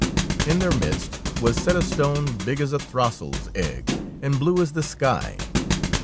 In their midst was set a stone big as a throstle's egg and blue as the sky.